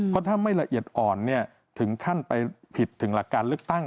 เพราะถ้าไม่ละเอียดอ่อนถึงขั้นไปผิดถึงหลักการเลือกตั้ง